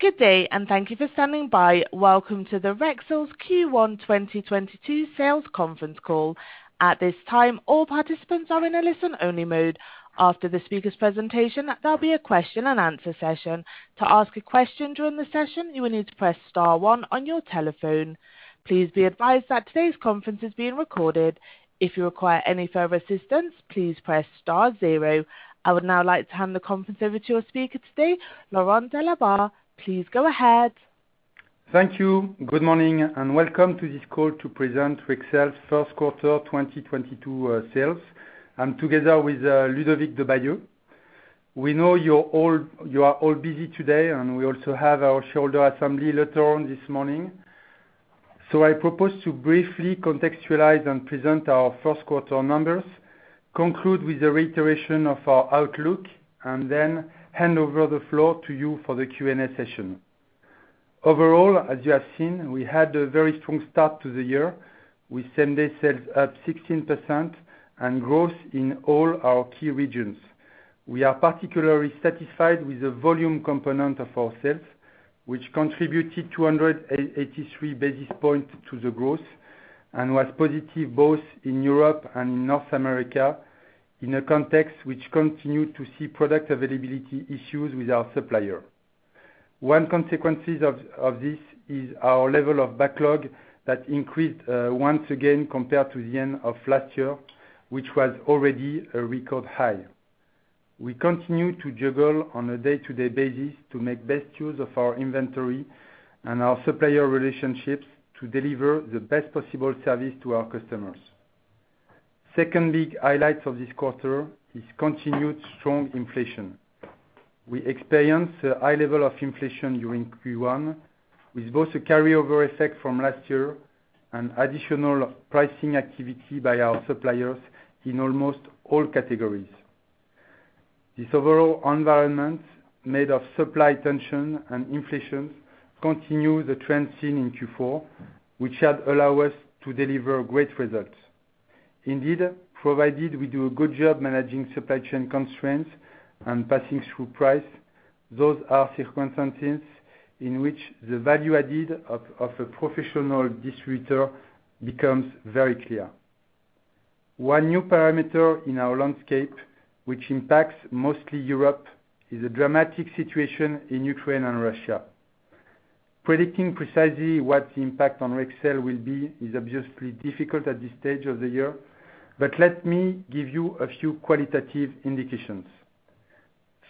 Good day and thank you for standing by. Welcome to the Rexel's Q1 2022 sales conference call. At this time, all participants are in a listen-only mode. After the speaker's presentation, there'll be a question and answer session. To ask a question during the session, you will need to press star one on your telephone. Please be advised that today's conference is being recorded. If you require any further assistance, please press star zero. I would now like to hand the conference over to your speaker today, Laurent Delabarre. Please go ahead. Thank you. Good morning, and welcome to this call to present Rexel's First Quarter 2022 sales. I'm together with Ludovic Debailleux. We know you are all busy today, and we also have our shareholder assembly later on this morning. I propose to briefly contextualize and present our first quarter numbers, conclude with a reiteration of our outlook, and then hand over the floor to you for the Q&A session. Overall, as you have seen, we had a very strong start to the year with same-day sales up 16% and growth in all our key regions. We are particularly satisfied with the volume component of our sales, which contributed 283 basis points to the growth and was positive both in Europe and North America in a context which continued to see product availability issues with our supplier. One consequence of this is our level of backlog that increased once again compared to the end of last year, which was already a record high. We continue to juggle on a day-to-day basis to make best use of our inventory and our supplier relationships to deliver the best possible service to our customers. Second big highlight of this quarter is continued strong inflation. We experienced a high level of inflation during Q1 with both a carryover effect from last year and additional pricing activity by our suppliers in almost all categories. This overall environment made up of supply tension and inflation continues the trend seen in Q4, which had allowed us to deliver great results. Indeed, provided we do a good job managing supply chain constraints and passing through price, those are circumstances in which the value added of a professional distributor becomes very clear. One new parameter in our landscape, which impacts mostly Europe, is a dramatic situation in Ukraine and Russia. Predicting precisely what the impact on Rexel will be is obviously difficult at this stage of the year, but let me give you a few qualitative indications.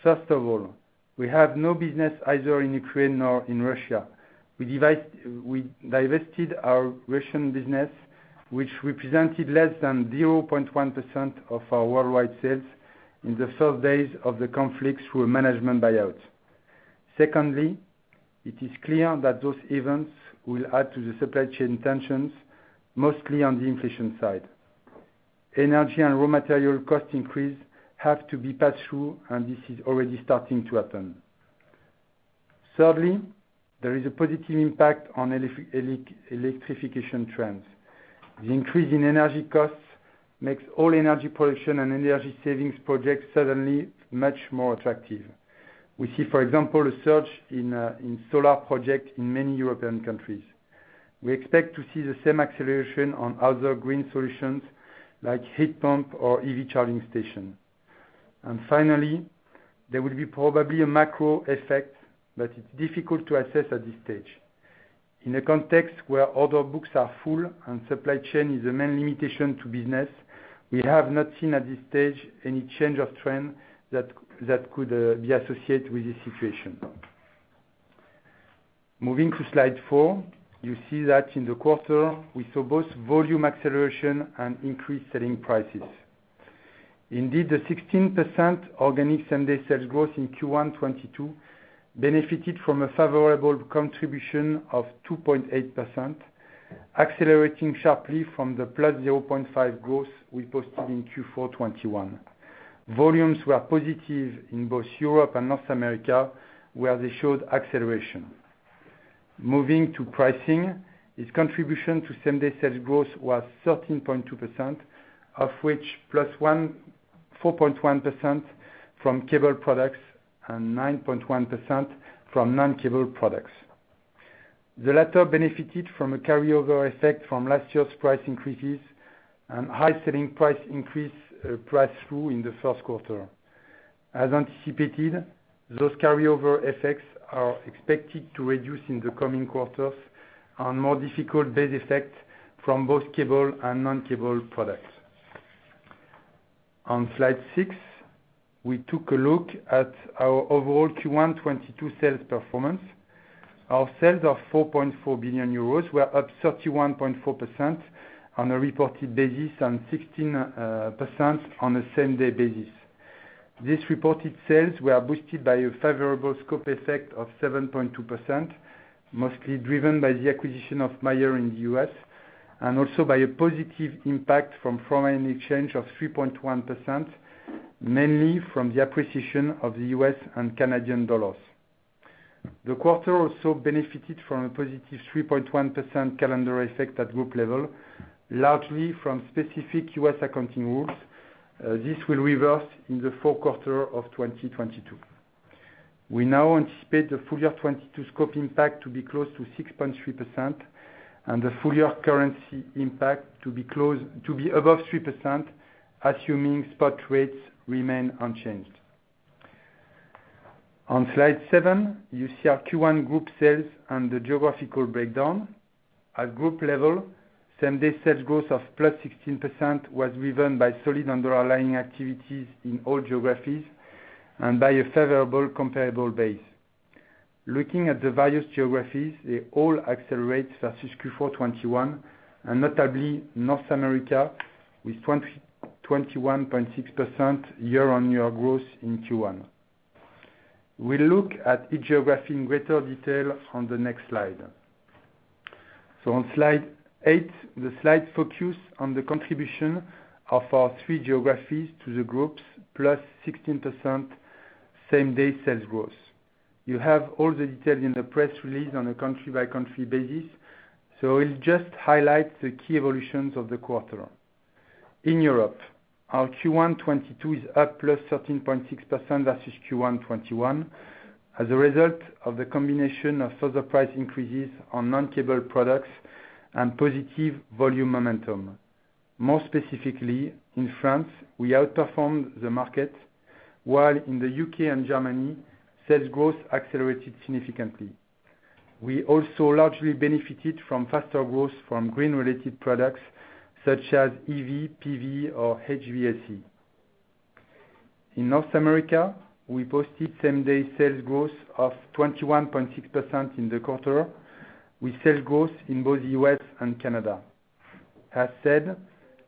First of all, we have no business either in Ukraine or in Russia. We divested our Russian business, which represented less than 0.1% of our worldwide sales in the first days of the conflict through a management buyout. Secondly, it is clear that those events will add to the supply chain tensions, mostly on the inflation side. Energy and raw material cost increase have to be passed through, and this is already starting to happen. Thirdly, there is a positive impact on electrification trends. The increase in energy costs makes all energy production and energy savings projects suddenly much more attractive. We see, for example, a surge in solar projects in many European countries. We expect to see the same acceleration on other green solutions like heat pump or EV charging station. Finally, there will be probably a macro effect that is difficult to assess at this stage. In a context where order books are full and supply chain is the main limitation to business, we have not seen at this stage any change of trend that could be associated with this situation. Moving to slide four, you see that in the quarter, we saw both volume acceleration and increased selling prices. Indeed, the 16% organic same-day sales growth in Q1 2022 benefited from a favorable contribution of 2.8%, accelerating sharply from the +0.5% growth we posted in Q4 2021. Volumes were positive in both Europe and North America, where they showed acceleration. Moving to pricing, its contribution to same-day sales growth was 13.2%, of which 1.4% from cable products and 9.1% from non-cable products. The latter benefited from a carryover effect from last year's price increases and high selling price increase, priced through in the first quarter. As anticipated, those carryover effects are expected to reduce in the coming quarters on more difficult base effects from both cable and non-cable products. On slide six, we took a look at our overall Q1 2022 sales performance. Our sales of 4.4 billion euros were up 31.4% on a reported basis and 16% on a same-day basis. These reported sales were boosted by a favorable scope effect of 7.2%, mostly driven by the acquisition of Mayer in the U.S. and also by a positive impact from foreign exchange of 3.1%, mainly from the appreciation of the U.S. and Canadian dollars. The quarter also benefited from a +3.1% calendar effect at group level, largely from specific U.S. accounting rules. This will reverse in the fourth quarter of 2022. We now anticipate the full year 2022 scope impact to be close to 6.3% and the full year currency impact to be above 3%, assuming spot rates remain unchanged. On slide seven, you see our Q1 group sales and the geographical breakdown. At group level, same-day sales growth of +16% was driven by solid underlying activities in all geographies and by a favorable comparable base. Looking at the various geographies, they all accelerate versus Q4 2021, and notably North America with 21.6% year-on-year growth in Q1. We'll look at each geography in greater detail on the next slide. On slide eight, the slide focuses on the contribution of our three geographies to the group's +16% same-day sales growth. You have all the details in the press release on a country-by-country basis. It just highlights the key evolutions of the quarter. In Europe, our Q1 2022 is up +13.6% versus Q1 2021 as a result of the combination of further price increases on non-cable products and positive volume momentum. More specifically, in France, we outperformed the market, while in the U.K. and Germany, sales growth accelerated significantly. We also largely benefited from faster growth from green-related products such as EV, PV, or HVAC. In North America, we posted same-day sales growth of 21.6% in the quarter, with sales growth in both the U.S. and Canada. As said,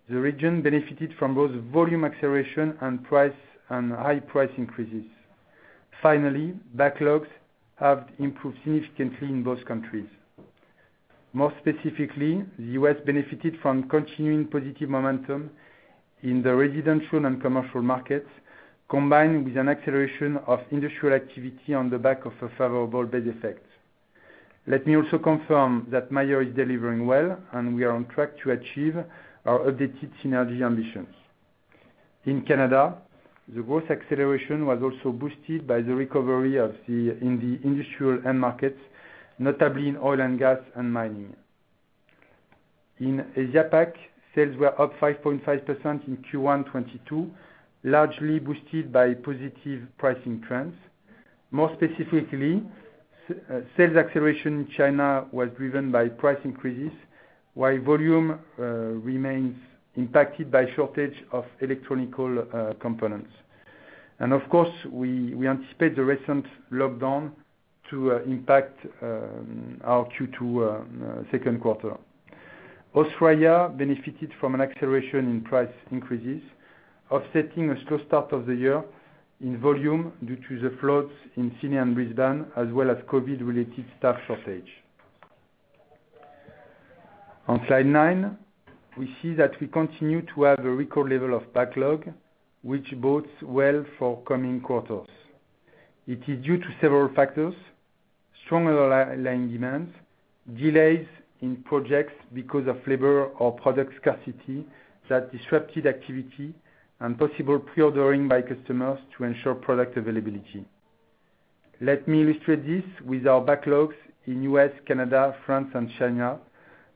the region benefited from both volume acceleration and price, and high price increases. Finally, backlogs have improved significantly in both countries. More specifically, the U.S. benefited from continuing positive momentum in the residential and commercial markets, combined with an acceleration of industrial activity on the back of a favorable base effect. Let me also confirm that Mayer is delivering well, and we are on track to achieve our updated synergy ambitions. In Canada, the growth acceleration was also boosted by the recovery of the in the industrial end markets, notably in oil and gas and mining. In Asia Pac, sales were up 5.5% in Q1 2022, largely boosted by positive pricing trends. More specifically, sales acceleration in China was driven by price increases, while volume remains impacted by shortage of electrical components. Of course, we anticipate the recent lockdown to impact our Q2 second quarter. Australia benefited from an acceleration in price increases, offsetting a slow start of the year in volume due to the floods in Sydney and Brisbane, as well as COVID-related staff shortage. On slide nine, we see that we continue to have a record level of backlog, which bodes well for coming quarters. It is due to several factors, strong underlying demands, delays in projects because of labor or product scarcity that disrupted activity, and possible pre-ordering by customers to ensure product availability. Let me illustrate this with our backlogs in U.S., Canada, France, and China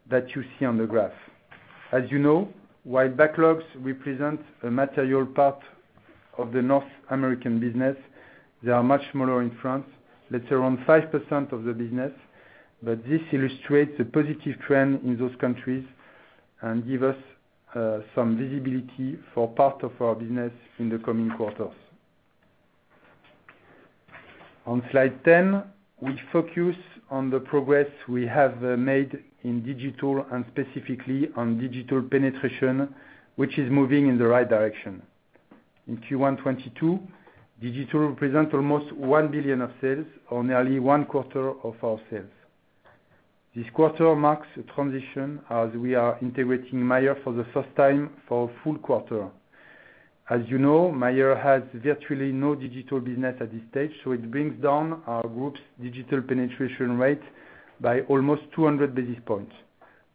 that you see on the graph. As you know, while backlogs represent a material part of the North American business, they are much smaller in France, that's around 5% of the business, but this illustrates a positive trend in those countries and give us some visibility for part of our business in the coming quarters. On slide 10, we focus on the progress we have made in digital and specifically on digital penetration, which is moving in the right direction. In Q1 2022, Digital represents almost 1 billion of sales on nearly one quarter of our sales. This quarter marks a transition as we are integrating Mayer for the first time for a full quarter. As you know, Mayer has virtually no digital business at this stage, so it brings down our group's digital penetration rate by almost 200 basis points.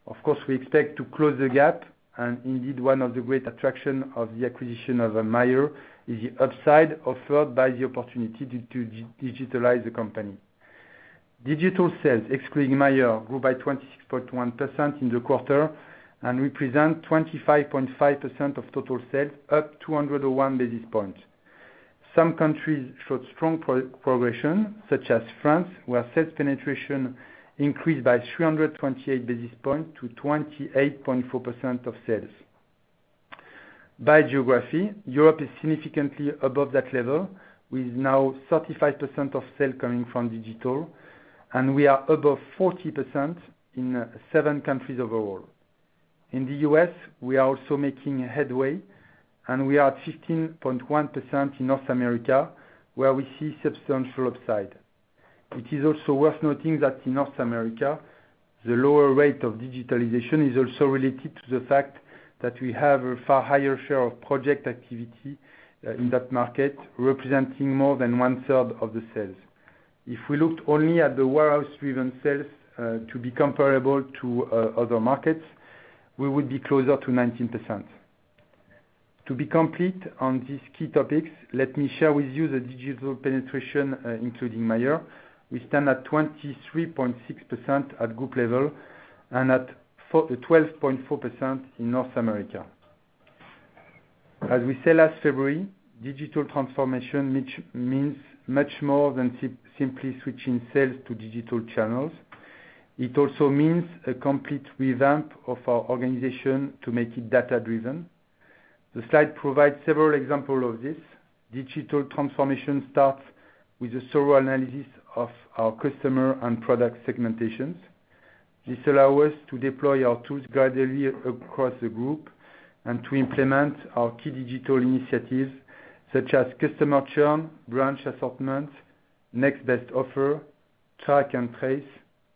Of course, we expect to close the gap, and indeed, one of the great attractions of the acquisition of Mayer is the upside offered by the opportunity to digitalize the company. Digital sales, excluding Mayer, grew by 26.1% in the quarter and represent 25.5% of total sales, up 201 basis points. Some countries showed strong progression, such as France, where sales penetration increased by 328 basis points to 28.4% of sales. By geography, Europe is significantly above that level, with now 35% of sales coming from digital, and we are above 40% in seven countries overall. In the U.S., we are also making headway, and we are at 15.1% in North America, where we see substantial upside. It is also worth noting that in North America, the lower rate of digitalization is also related to the fact that we have a far higher share of project activity in that market, representing more than 1/3 of the sales. If we looked only at the warehouse driven sales, to be comparable to, other markets, we would be closer to 19%. To be complete on these key topics, let me share with you the digital penetration, including Mayer. We stand at 23.6% at group level and at 12.4% in North America. As we said last February, digital transformation, which means much more than simply switching sales to digital channels. It also means a complete revamp of our organization to make it data driven. The slide provides several examples of this. Digital transformation starts with a thorough analysis of our customer and product segmentations. This allows us to deploy our tools gradually across the group and to implement our key digital initiatives such as customer churn, branch assortment, next best offer, track and trace,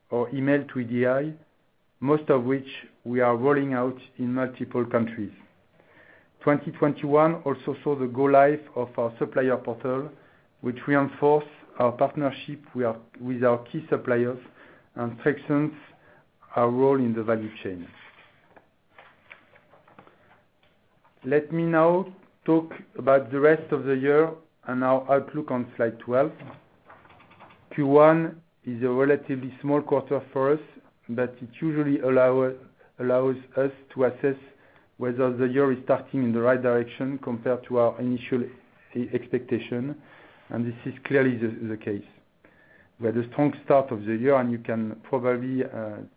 or email to EDI, most of which we are rolling out in multiple countries. 2021 also saw the go live of our supplier portal, which reinforces our partnership with our key suppliers and strengthens our role in the value chain. Let me now talk about the rest of the year and our outlook on slide 12. Q1 is a relatively small quarter for us, but it usually allows us to assess whether the year is starting in the right direction compared to our initial expectation, and this is clearly the case. We had a strong start of the year, and you can probably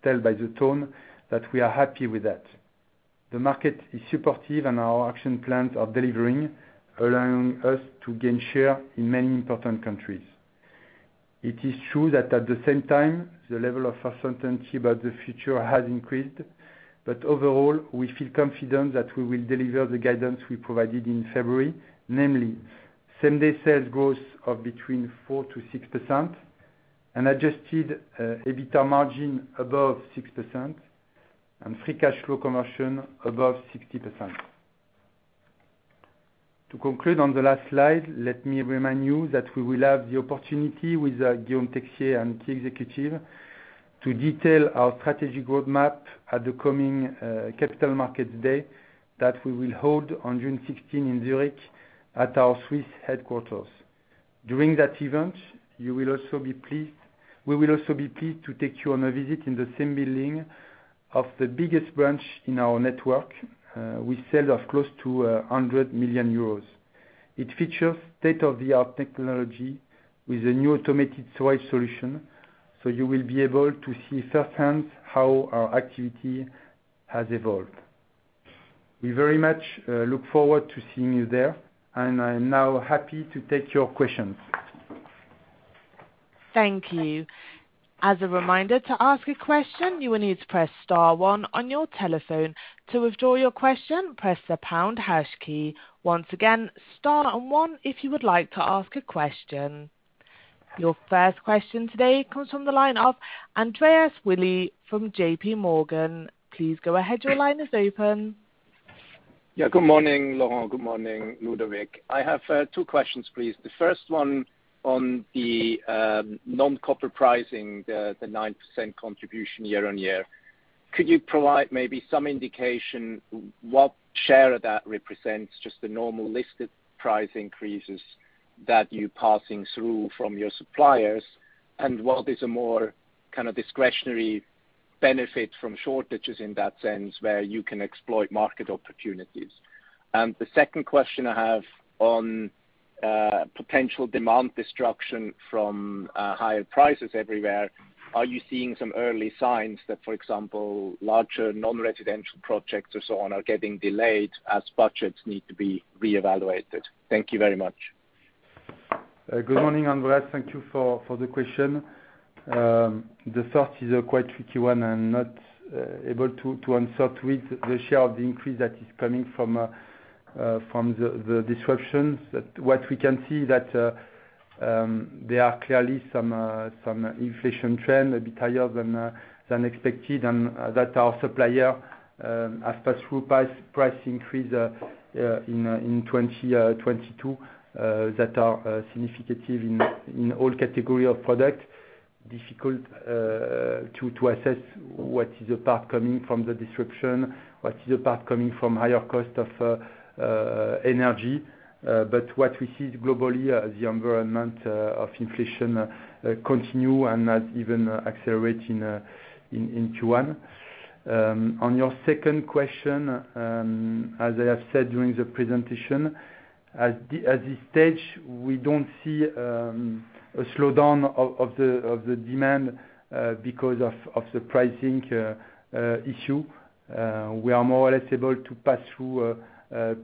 tell by the tone that we are happy with that. The market is supportive, and our action plans are delivering, allowing us to gain share in many important countries. It is true that at the same time, the level of uncertainty about the future has increased, but overall, we feel confident that we will deliver the guidance we provided in February. Namely, same-day sales growth of between 4%-6% and adjusted EBITDA margin above 6% and free cash flow conversion above 60%. To conclude on the last slide, let me remind you that we will have the opportunity with Guillaume Texier and key executive to detail our strategic roadmap at the coming capital markets day that we will hold on June 16 in Zurich at our Swiss headquarters. During that event, we will also be pleased to take you on a visit in the same building of the biggest branch in our network. Sales of close to 100 million euros. It features state-of-the-art technology with a new automated storage solution, so you will be able to see firsthand how our activity has evolved. We very much look forward to seeing you there, and I'm now happy to take your questions. Thank you. As a reminder, to ask a question, you will need to press star one on your telephone. To withdraw your question, press the pound hash key. Once again, star and one if you would like to ask a question. Your first question today comes from the line of Andreas Willi from J.P. Morgan. Please go ahead. Your line is open. Yeah. Good morning, Laurent. Good morning, Ludovic. I have two questions, please. The first one on the non-copper pricing, the 9% contribution year-on-year. Could you provide maybe some indication what share that represents, just the normal listed price increases that you're passing through from your suppliers? And what is a more kind of discretionary benefit from shortages in that sense where you can exploit market opportunities? The second question I have on potential demand destruction from higher prices everywhere. Are you seeing some early signs that, for example, larger non-residential projects or so on are getting delayed as budgets need to be reevaluated? Thank you very much. Good morning, Andreas. Thank you for the question. The first is a quite tricky one. I'm not able to answer it with the share of the increase that is coming from the disruptions. What we can see that there are clearly some inflation trend a bit higher than expected, and that our supplier pass through price increase in 2022 that are significant in all category of product. Difficult to assess what is the part coming from the disruption, what is the part coming from higher cost of energy. What we see globally as the environment of inflation continue and not even accelerate in Q1. On your second question, as I have said during the presentation, at this stage, we don't see a slowdown of the demand because of the pricing issue. We are more or less able to pass through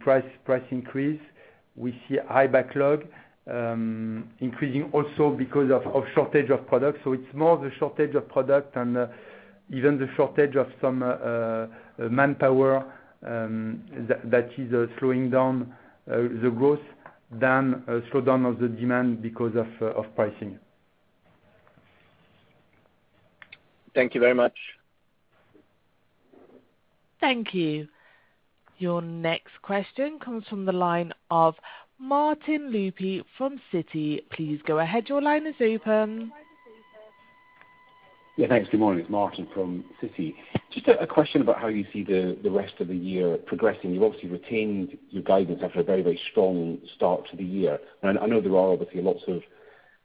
price increase. We see high backlog increasing also because of shortage of products. It's more the shortage of product and even the shortage of some manpower that is slowing down the growth than a slowdown of the demand because of pricing. Thank you very much. Thank you. Your next question comes from the line of Martin Wilkie from Citi. Please go ahead. Your line is open. Yeah, thanks. Good morning. It's Martin from Citi. Just a question about how you see the rest of the year progressing. You've obviously retained your guidance after a very, very strong start to the year. I know there are obviously lots of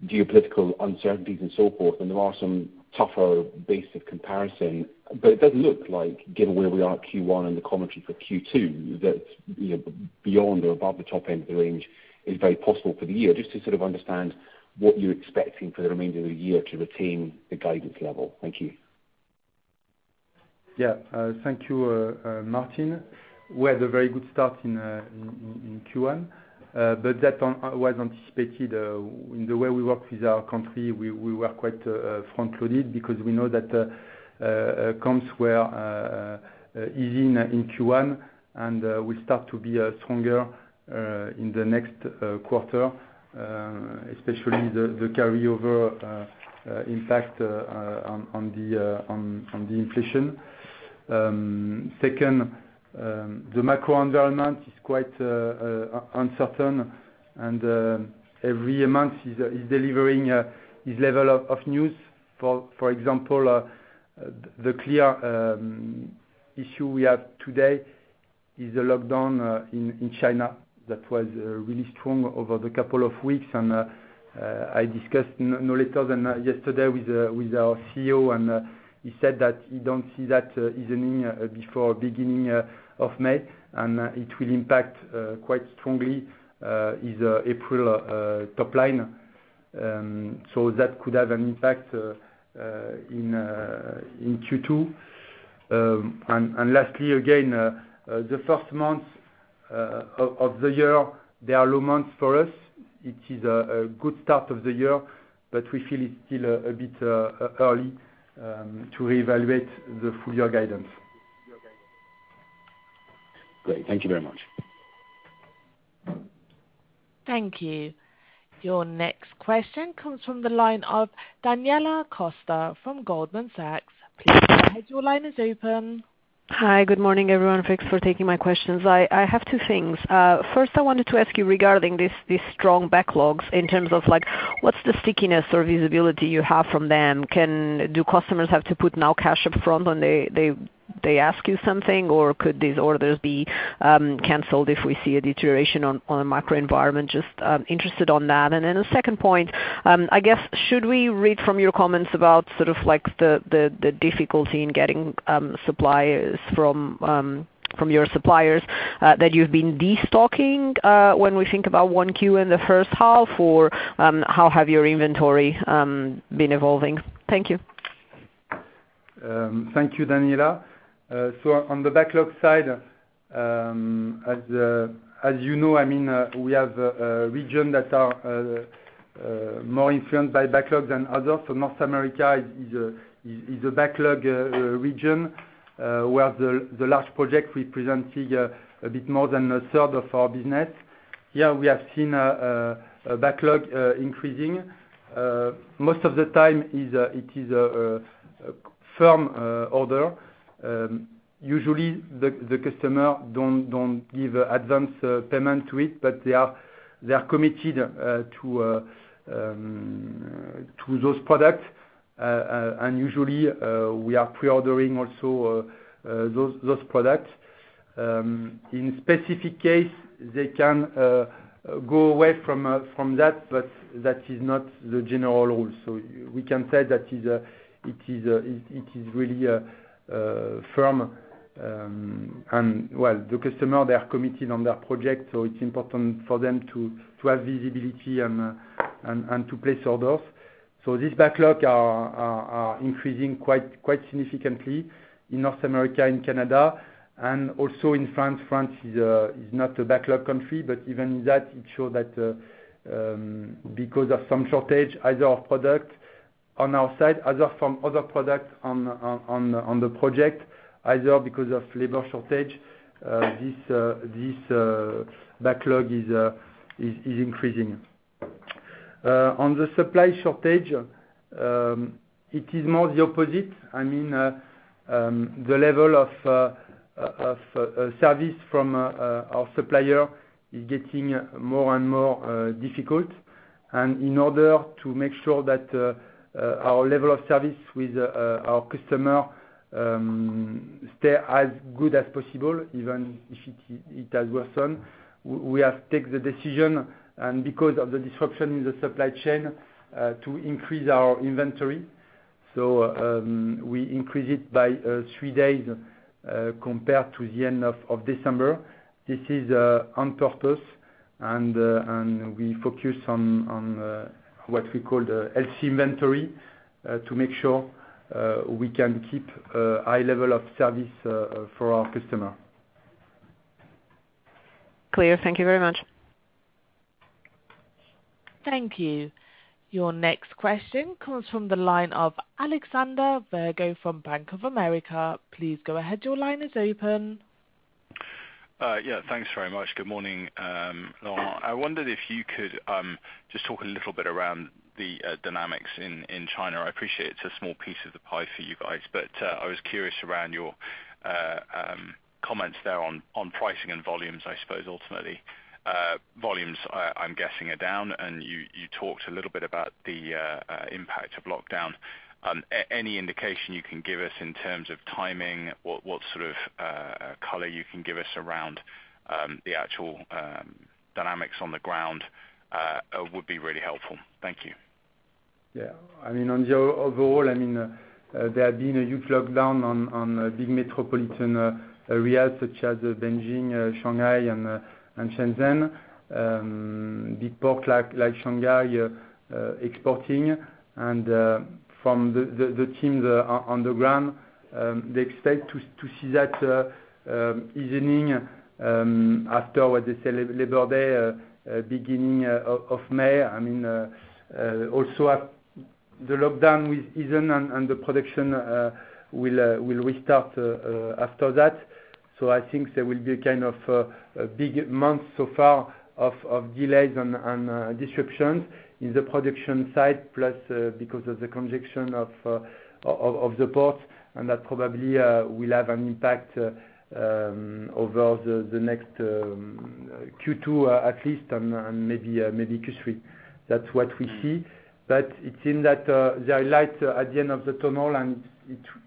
geopolitical uncertainties and so forth, and there are some tougher base comparisons. It does look like given where we are at Q1 and the commentary for Q2 that, you know, beyond or above the top end of the range is very possible for the year. Just to sort of understand what you're expecting for the remainder of the year to retain the guidance level. Thank you. Yeah. Thank you, Martin. We had a very good start in Q1, but that was anticipated in the way we work with our country. We were quite front loaded because we know that comps were easing in Q1 and will start to be stronger in the next quarter, especially the carryover impact on the inflation. Second, the macro environment is quite uncertain and every month is delivering its level of news. For example, the current issue we have today is the lockdown in China that was really strong over the couple of weeks. I discussed not later than yesterday with our CEO, and he said that he don't see that easing before beginning of May. It will impact quite strongly our April topline. So that could have an impact in Q2. Lastly again, the first month of the year, they are low months for us. It is a good start of the year, but we feel it's still a bit early to evaluate the full year guidance. Great. Thank you very much. Thank you. Your next question comes from the line of Daniela Costa from Goldman Sachs. Please go ahead. Your line is open. Hi. Good morning, everyone. Thanks for taking my questions. I have two things. First I wanted to ask you regarding these strong backlogs in terms of like, what's the stickiness or visibility you have from them? Can customers now have to put cash up front when they ask you something? Or could these orders be canceled if we see a deterioration in the macro environment? Just interested in that. The second point, I guess, should we read from your comments about sort of like the difficulty in getting supply from your suppliers that you've been destocking when we think about Q1 in the first half, or how have your inventory been evolving? Thank you. Thank you, Daniella. On the backlog side, as you know, I mean, we have regions that are more influenced by backlog than others. North America is a backlog region where the large projects representing a bit more than a third of our business. Here, we have seen backlog increasing. Most of the time it is a firm order. Usually the customer don't give advance payment to it, but they are committed to those products. Usually, we are pre-ordering also those products. In specific case, they can go away from that, but that is not the general rule. We can say that it is really firm. Well, the customer, they are committed on their project, so it's important for them to have visibility and to place orders. This backlog are increasing quite significantly in North America and Canada and also in France. France is not a backlog country, but even that, it shows that, because of some shortage, either of product on our side, either from other products on the project, either because of labor shortage, this backlog is increasing. On the supply shortage, it is more the opposite. I mean, the level of service from our supplier is getting more and more difficult. In order to make sure that our level of service with our customer stay as good as possible, even if it has worsened, we have take the decision and because of the disruption in the supply chain to increase our inventory. We increase it by three days compared to the end of December. This is on purpose. We focus on what we call the LC inventory to make sure we can keep a high level of service for our customer. Clear. Thank you very much. Thank you. Your next question comes from the line of Alexander Virgo from Bank of America. Please go ahead. Your line is open. Yeah, thanks very much. Good morning, Laurent. I wondered if you could just talk a little bit around the dynamics in China. I appreciate it's a small piece of the pie for you guys, but I was curious around your comments there on pricing and volumes, I suppose ultimately. Volumes, I'm guessing are down, and you talked a little bit about the impact of lockdown. Any indication you can give us in terms of timing, what sort of color you can give us around the actual dynamics on the ground would be really helpful. Thank you. Yeah, I mean, overall, I mean, there have been huge lockdowns in the big metropolitan areas such as Beijing, Shanghai, and Shenzhen. Big ports like Shanghai exporting and from the team on the ground, they expect to see that easing after Labor Day, beginning of May. I mean, also the lockdowns will ease in and the production will restart after that. I think there will be a kind of big month so far of delays and disruptions in the production side, plus because of the congestion of the port, and that probably will have an impact over the next Q2, at least, and maybe Q3. That's what we see. It seems that there is light at the end of the tunnel and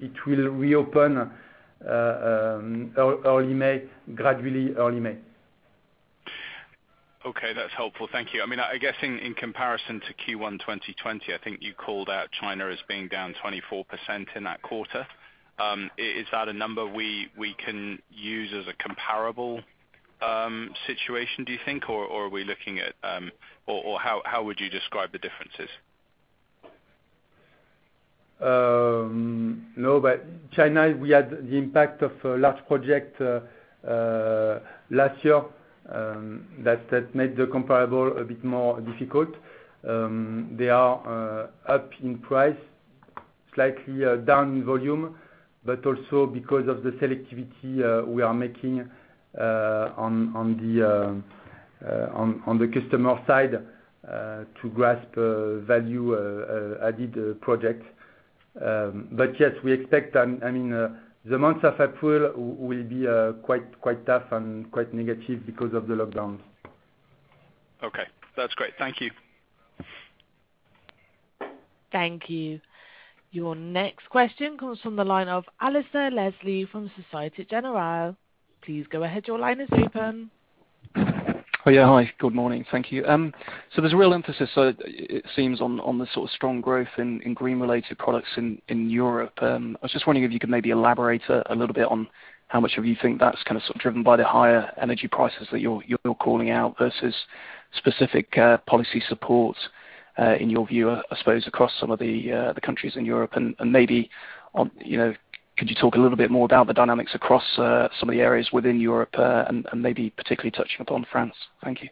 it will reopen early May, gradually. Okay. That's helpful. Thank you. I mean, I guess in comparison to Q1 2020, I think you called out China as being down 24% in that quarter. Is that a number we can use as a comparable situation, do you think, or are we looking at or how would you describe the differences? No, China, we had the impact of a large project last year that made the comparable a bit more difficult. They are up in price slightly, down in volume, but also because of the selectivity we are making on the customer side to grasp value-added project. Yes, we expect, I mean, the months of April will be quite tough and quite negative because of the lockdowns. Okay. That's great. Thank you. Thank you. Your next question comes from the line of Alasdair Leslie from Société Générale. Please go ahead. Your line is open. Oh, yeah. Hi. Good morning. Thank you. There's a real emphasis, it seems on the sort of strong growth in green related products in Europe. I was just wondering if you could maybe elaborate a little bit on how much you think that's kind of sort of driven by the higher energy prices that you're calling out versus specific policy support in your view, I suppose, across some of the countries in Europe, and maybe on, you know, could you talk a little bit more about the dynamics across some of the areas within Europe, and maybe particularly touching upon France? Thank you.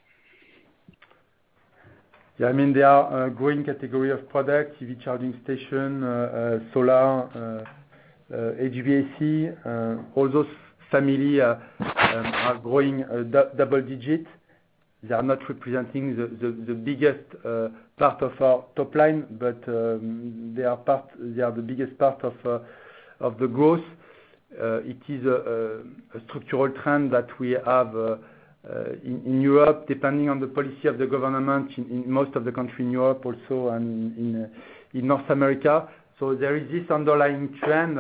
Yeah, I mean, there are a growing category of products, EV charging station, solar, HVAC. All those family are growing double digit. They are not representing the biggest part of our top line, but they are the biggest part of the growth. It is a structural trend that we have in Europe, depending on the policy of the government in most of the country in Europe, also in North America. There is this underlying trend,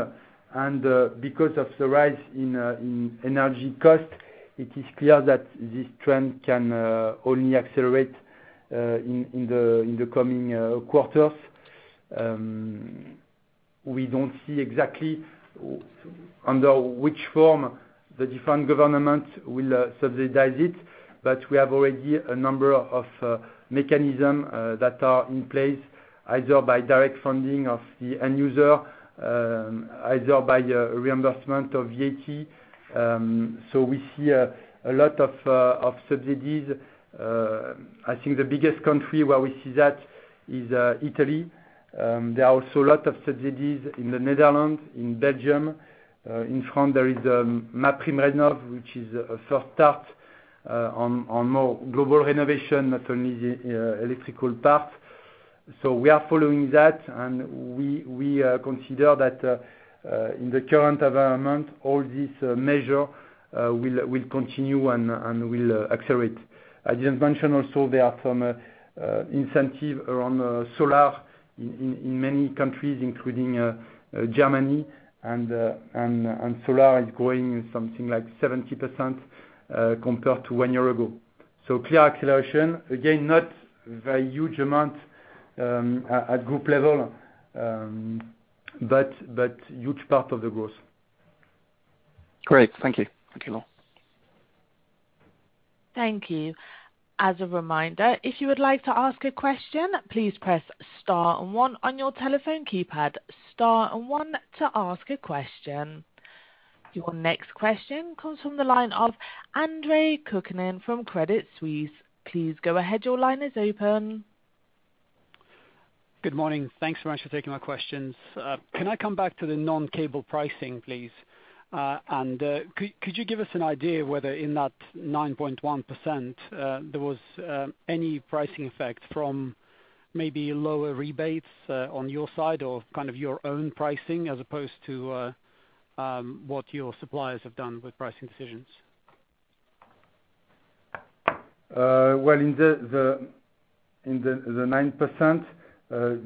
and because of the rise in energy cost, it is clear that this trend can only accelerate in the coming quarters. We don't see exactly under which form the different governments will subsidize it, but we have already a number of mechanisms that are in place, either by direct funding of the end user, either by reimbursement of VAT. We see a lot of subsidies. I think the biggest country where we see that is Italy. There are also a lot of subsidies in the Netherlands, in Belgium. In France, there is MaPrimeRénov', which is a first start on more global renovation, not only the electrical part. We are following that, and we consider that in the current environment, all these measures will continue and will accelerate. I just mention also there are some incentive around solar in many countries, including Germany, and solar is growing something like 70% compared to one year ago. Clear acceleration, again, not very huge amount at group level, but huge part of the growth. Great. Thank you. Thank you, Laurent. Thank you. As a reminder, if you would like to ask a question, please press star and one on your telephone keypad. Star and one to ask a question. Your next question comes from the line of Andrei Kukhnin from Credit Suisse. Please go ahead. Your line is open. Good morning. Thanks so much for taking my questions. Can I come back to the non-cable pricing, please? Could you give us an idea whether in that 9.1%, there was any pricing effect from maybe lower rebates on your side or kind of your own pricing as opposed to what your suppliers have done with pricing decisions? Well, in the 9%,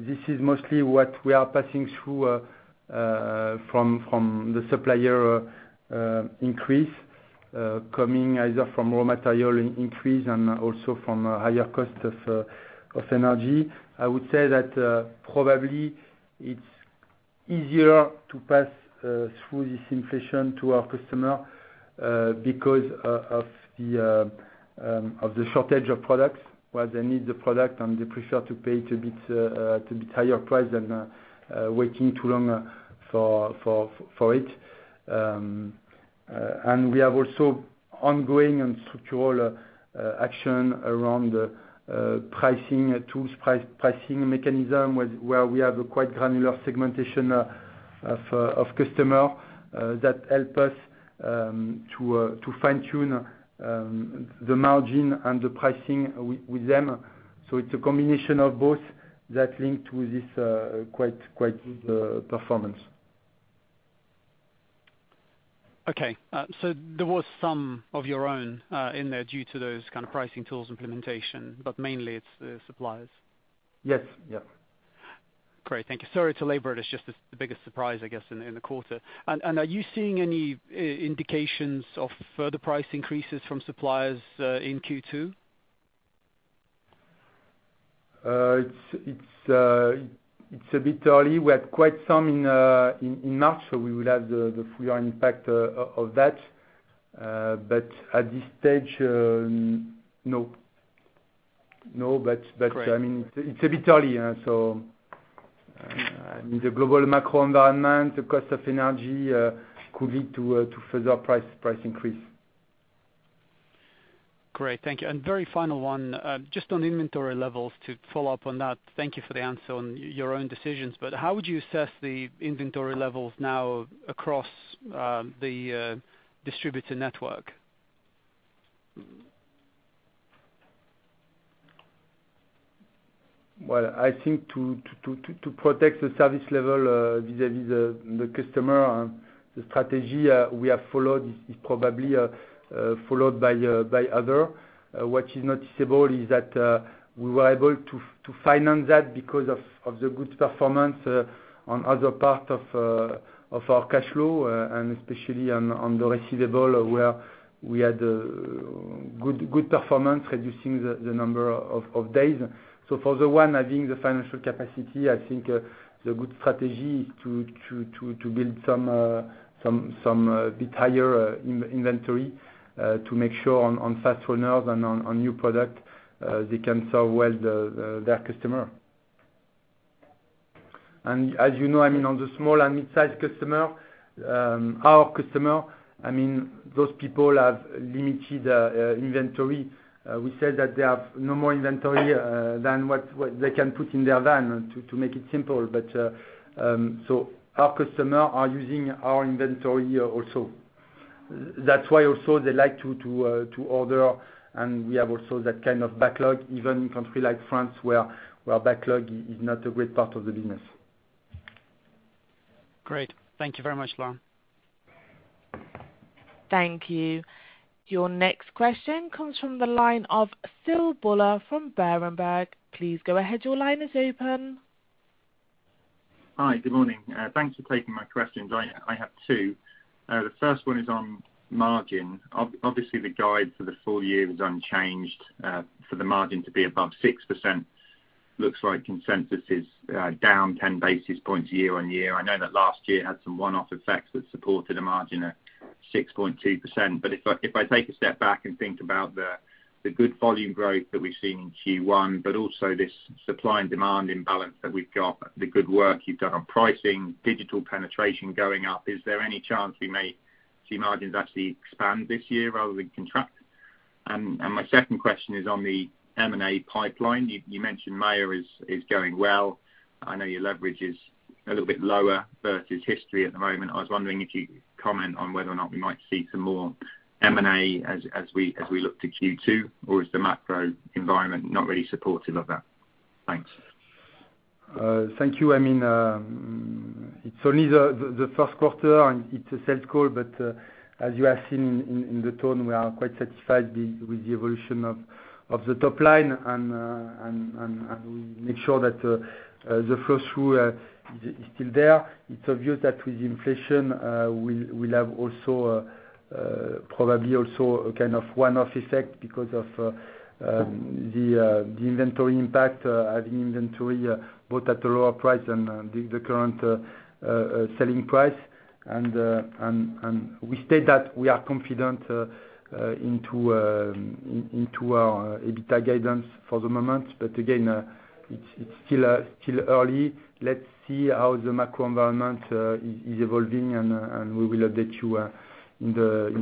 this is mostly what we are passing through from the supplier increase coming either from raw material increase and also from a higher cost of energy. I would say that probably it's easier to pass through this inflation to our customer because of the shortage of products, where they need the product and they prefer to pay a bit higher price than waiting too long for it. We have also ongoing and structural action around the pricing tools, pricing mechanism, where we have a quite granular segmentation of customers that help us to fine-tune the margin and the pricing with them. It's a combination of both that link to this, quite performance. Okay. There was some of your own in there due to those kind of pricing tools implementation, but mainly it's the suppliers. Yes. Yeah. Great. Thank you. Sorry to labor it. It's just the biggest surprise, I guess, in the quarter. Are you seeing any indications of further price increases from suppliers in Q2? It's a bit early. We have quite some in March, so we will have the full year impact of that. At this stage, no. No, but- Great. I mean, it's a bit early. The global macro environment, the cost of energy, could lead to further price increase. Great. Thank you. Very final one, just on inventory levels, to follow up on that, thank you for the answer on your own decisions, but how would you assess the inventory levels now across, the distributor network? Well, I think to protect the service level vis-à-vis the customer and the strategy we have followed is probably followed by other. What is noticeable is that we were able to finance that because of the good performance on other part of our cash flow and especially on the receivable, where we had good performance, reducing the number of days. For the one having the financial capacity, I think the good strategy to build some bit higher inventory to make sure on fast runners and on new product they can serve well their customer. As you know, I mean, on the small and mid-sized customer, our customer, I mean, those people have limited inventory. We said that they have no more inventory than what they can put in their van, to make it simple. Our customer are using our inventory also. That's why also they like to order, and we have also that kind of backlog, even in country like France, where backlog is not a great part of the business. Great. Thank you very much, Laurent. Thank you. Your next question comes from the line of Philip Buller from Berenberg. Please go ahead. Your line is open. Hi. Good morning. Thanks for taking my questions. I have two. The first one is on margin. Obviously, the guide for the full year was unchanged for the margin to be above 6%. Looks like consensus is down 10 basis points year-on-year. I know that last year had some one-off effects that supported a margin at 6.2%. If I take a step back and think about the good volume growth that we've seen in Q1, but also this supply and demand imbalance that we've got, the good work you've done on pricing, digital penetration going up, is there any chance we may see margins actually expand this year rather than contract? My second question is on the M&A pipeline. You mentioned Mayer is going well. I know your leverage is a little bit lower versus history at the moment. I was wondering if you could comment on whether or not we might see some more M&A as we look to Q2, or is the macro environment not really supportive of that? Thanks. Thank you. I mean, it's only the first quarter and it's a sales call. As you have seen in the tone, we are quite satisfied with the evolution of the top line. We make sure that the first rule is still there. It's obvious that with inflation, we'll have also probably also a kind of one-off effect because of the inventory impact, having inventory both at a lower price and the current selling price. We state that we are confident in our EBITDA guidance for the moment. Again, it's still early. Let's see how the macro environment is evolving and we will update you in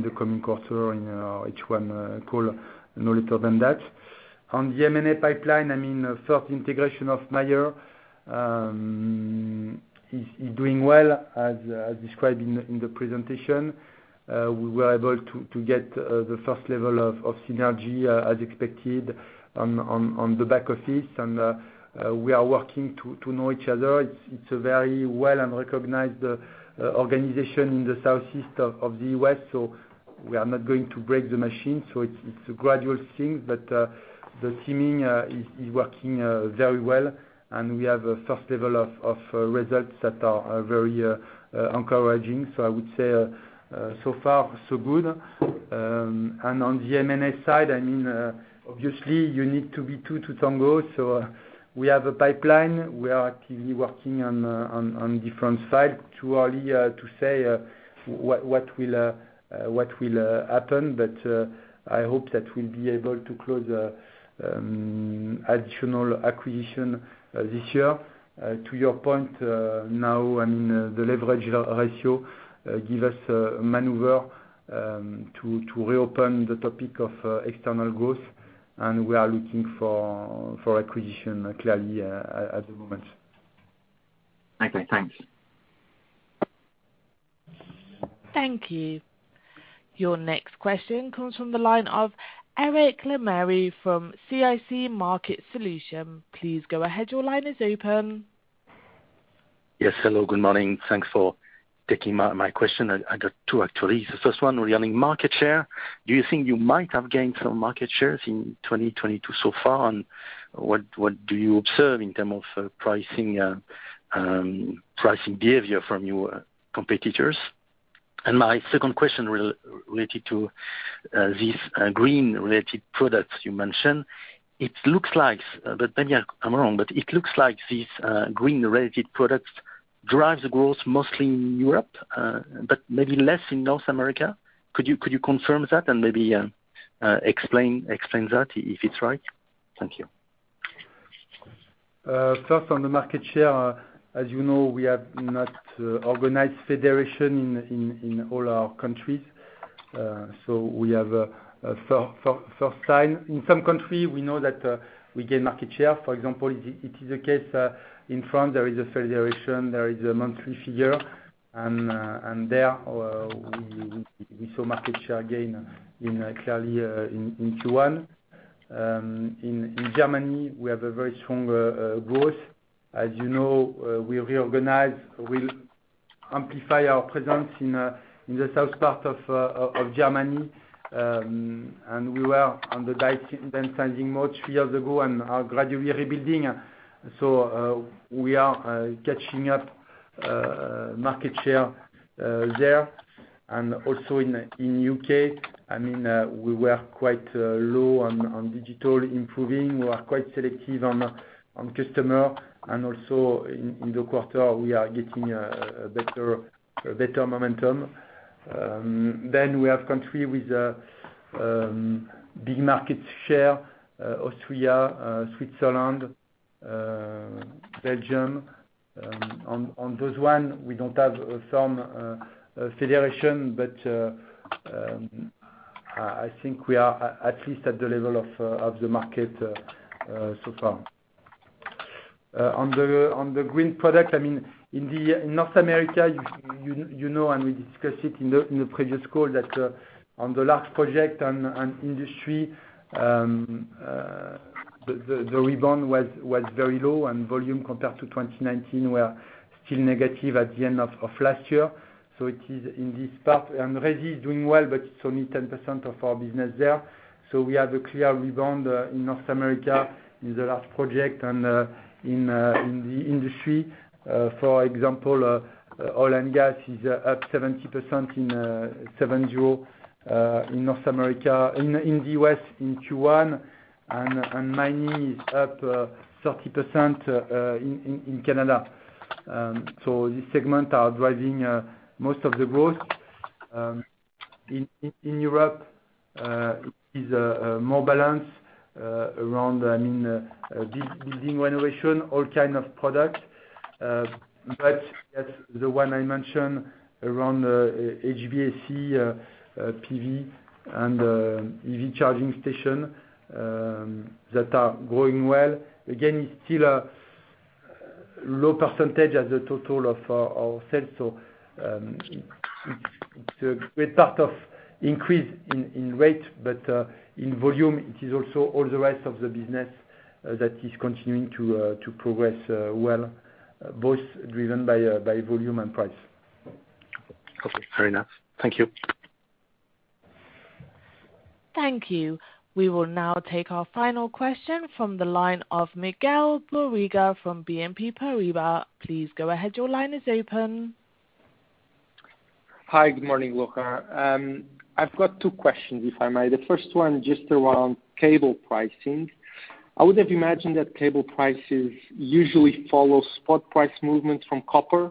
the coming quarter in our H1 call. No later than that. On the M&A pipeline, I mean, first integration of Mayer is doing well as described in the presentation. We were able to get the first level of synergy as expected on the back office. We are working to know each other. It's a very well-recognized organization in the southeast of the U.S., so we are not going to break the machine. It's a gradual thing, but the teaming is working very well, and we have a first level of results that are very encouraging. I would say so far so good. On the M&A side, I mean, obviously you need to be two to tango. We have a pipeline. We are actively working on different sides. Too early to say what will happen. I hope that we'll be able to close additional acquisition this year. To your point, now, I mean, the leverage ratio give us a maneuver to reopen the topic of external growth. We are looking for acquisition clearly at the moment. Okay, thanks. Thank you. Your next question comes from the line of Eric Lemarié from CIC Market Solutions. Please go ahead. Your line is open. Yes, hello, good morning. Thanks for taking my question. I got two actually. The first one regarding market share. Do you think you might have gained some market shares in 2022 so far? What do you observe in terms of pricing behavior from your competitors? My second question related to these green related products you mentioned. It looks like, but maybe I'm wrong, but it looks like these green related products drives growth mostly in Europe, but maybe less in North America. Could you confirm that and maybe explain that if it's right? Thank you. First, on the market share, as you know, we have not organized federation in all our countries. So first time in some country we know that we gain market share, for example, it is a case in France, there is a federation, there is a monthly figure. And there we saw market share gain clearly in Q1. In Germany, we have a very strong growth. As you know, we reorganize. We'll amplify our presence in the south part of Germany. And we were on the downside and since more than three years ago and are gradually rebuilding. We are catching up market share there. In U.K., I mean, we were quite low on digital improvement. We are quite selective on customer. In the quarter, we are getting a better momentum. We have country with a big market share, Austria, Switzerland, Belgium. On those one, we don't have a firm penetration, but I think we are at least at the level of the market so far. On the green product, I mean, in North America, you know, and we discussed it in the previous call that on the last quarter on industry, the rebound was very low and volume compared to 2019 were still negative at the end of last year. It is in this part and resi is doing well, but it's only 10% of our business there. We have a clear rebound in North America in the last quarter and in the industry, for example, oil and gas is up 70% in the U.S. in Q1, and mining is up 30% in Canada. This segment are driving most of the growth. In Europe, it is more balanced around, I mean, building renovation, all kind of product. But that's the one I mentioned around HVAC, PV, and EV charging station that are growing well. Again, it's still a low percentage as a total of our sales. It's a great part of increase in rate, but in volume it is also all the rest of the business that is continuing to progress well, both driven by volume and price. Okay, fair enough. Thank you. Thank you. We will now take our final question from the line of Miguel Borrega from BNP Paribas. Please go ahead. Your line is open. Hi. Good morning, Luca. I've got two questions, if I may. The first one just around cable pricing. I would have imagined that cable prices usually follow spot price movement from copper.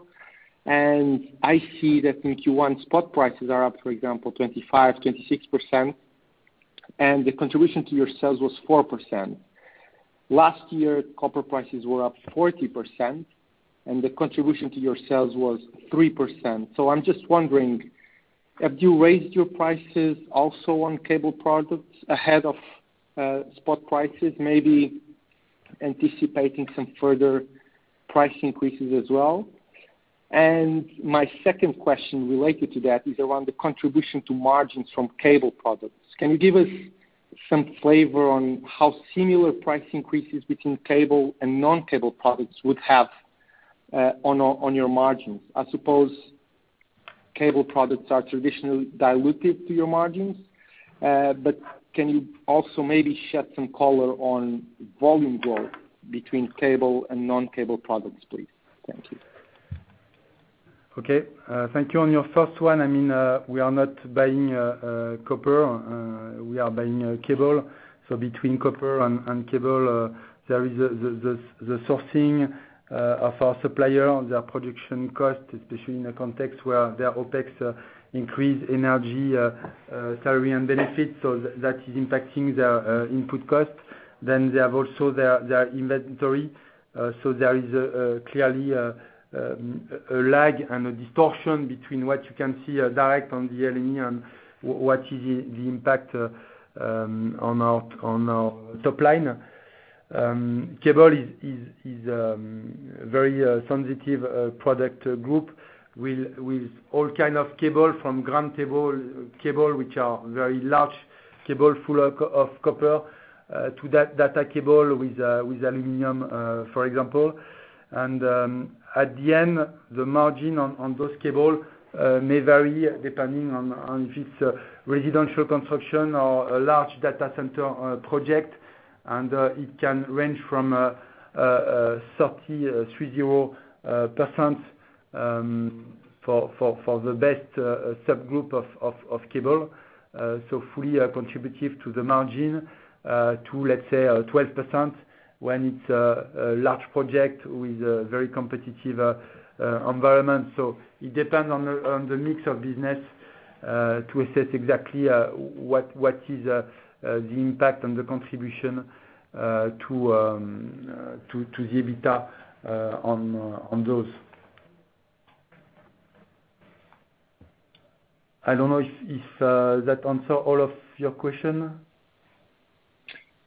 I see that in Q1, spot prices are up, for example, 25%-26%, and the contribution to your sales was 4%. Last year, copper prices were up 40% and the contribution to your sales was 3%. I'm just wondering, have you raised your prices also on cable products ahead of spot prices? Maybe anticipating some further price increases as well. My second question related to that is around the contribution to margins from cable products. Can you give us some flavor on how similar price increases between cable and non-cable products would have on your margins? I suppose cable products are traditionally dilutive to your margins, but can you also maybe shed some color on volume growth between cable and non-cable products, please? Thank you. Okay. Thank you. On your first one, I mean, we are not buying copper. We are buying cable. Between copper and cable, there is the sourcing of our supplier on their production cost, especially in a context where their OpEx increase energy, salary, and benefits. That is impacting their input costs. They have also their inventory. There is clearly a lag and a distortion between what you can see direct on the LME and what is the impact on our top line. Cable is very sensitive product group with all kind of cable from ground cable which are very large cable full of copper to data cable with aluminum, for example. At the end, the margin on those cable may vary depending on if it's residential construction or a large data center project. It can range from 33.0% for the best subgroup of cable. So fully contributive to the margin to let's say 12% when it's a large project with a very competitive environment. It depends on the mix of business to assess exactly what is the impact on the contribution to the EBITDA on those. I don't know if that answer all of your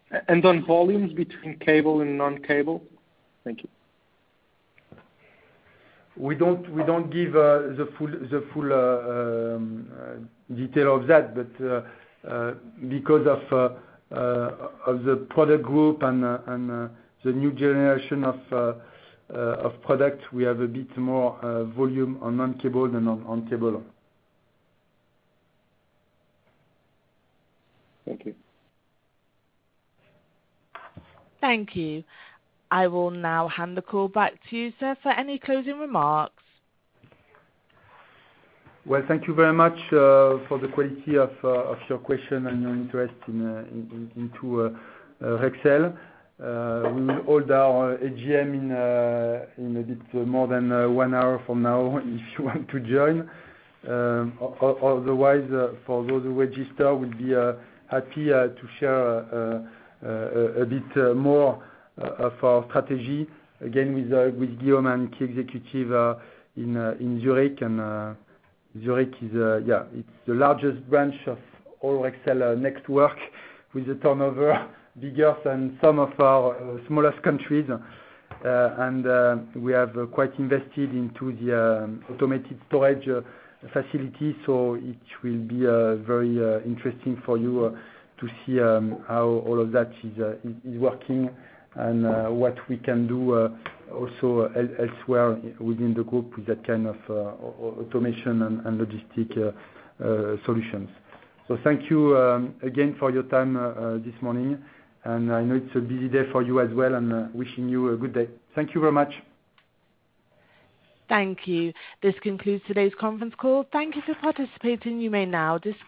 question. On volumes between cable and non-cable? Thank you. We don't give the full detail of that because of the product group and the new generation of product, we have a bit more volume on non-cable than on cable. Thank you. Thank you. I will now hand the call back to you, sir, for any closing remarks. Well, thank you very much for the quality of your question and your interest in Rexel. We will hold our AGM in a bit more than one hour from now if you want to join. Otherwise, for those who register, we'll be happy to share a bit more of our strategy. Again, with Guillaume and key executive in Zurich. Zurich is the largest branch of all Rexel network with a turnover bigger than some of our smallest countries. We have quite invested into the automated storage facility, so it will be very interesting for you to see how all of that is working and what we can do also elsewhere within the group with that kind of automation and logistics solutions. Thank you again for your time this morning, and I know it's a busy day for you as well, and wishing you a good day. Thank you very much. Thank you. This concludes today's conference call. Thank you for participating. You may now disconnect.